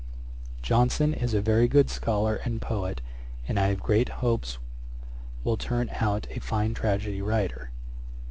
Johnson is a very good scholar and poet, and I have great hopes will turn out a fine tragedy writer.